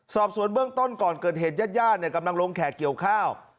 สอบสวนเบื้องต้นก่อนเกิดเหตุญาติญาติกำลังลงแขกเกี่ยวข้าว